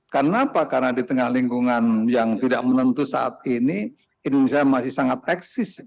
kenapa karena di tengah lingkungan yang tidak menentu saat ini indonesia masih sangat eksis